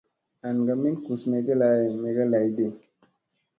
An ka min gus mege lay megeblayɗi.